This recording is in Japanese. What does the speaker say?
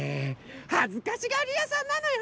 はずかしがりやさんなのよね！